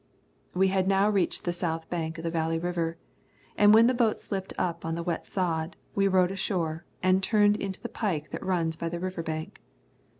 We had now reached the south bank of the Valley River, and when the boat slipped up on the wet sod, we rode ashore, and turned into the pike that runs by the river bank.